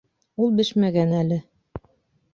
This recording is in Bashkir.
Ул бешмәгән әле